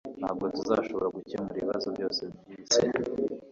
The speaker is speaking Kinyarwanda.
ntabwo tuzashobora gukemura ibibazo byose byisi